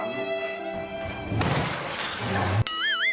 ยังไม่รู้